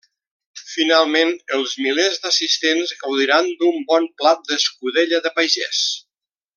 Finalment, els milers d'assistents gaudiran d'un bon plat d'escudella de pagès.